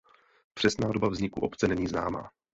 Přesná doba vzniku obce není známa.